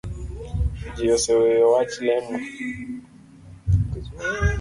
Ji oseweyo wach lemo